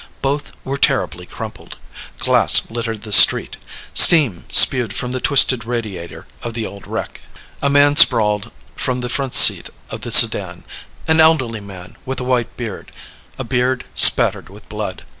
Both were terribly crumpled. Glass littered the street. Steam spewed from the twisted radiator of the old wreck. A man sprawled from the front seat of the sedan an elderly man, with a white beard a beard spattered with blood.